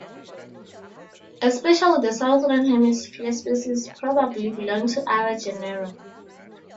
Especially the Southern Hemisphere species probably belong to other genera.